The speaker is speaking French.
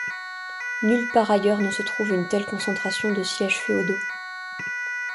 Nulle part ailleurs ne se trouve une telle concentration de sièges féodaux.